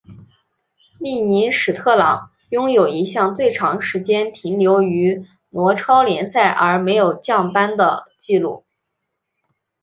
利尼史特朗拥有一项最长时间停留于挪超联赛而没有降班的纪录。